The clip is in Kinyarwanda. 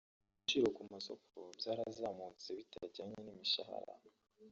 ibiciro ku masoko byarazamutse bitajyanye n’imishahara